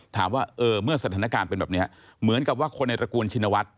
ถามว่าเออเมื่อสถานการณ์เป็นแบบนี้เหมือนกับว่าคนในตระกูลชินวัฒน์